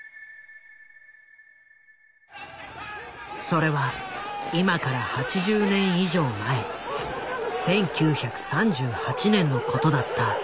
それは今から８０年以上前１９３８年のことだった。